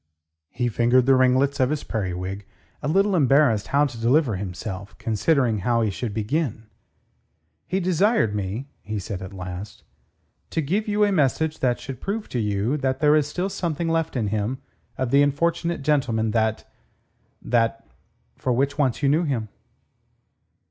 He fingered the ringlets of his periwig, a little embarrassed how to deliver himself, considering how he should begin. "He desired me," he said at last, "to give you a message that should prove to you that there is still something left in him of the unfortunate gentleman that... that.., for which once you knew him."